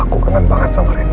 aku kangen banget sama mereka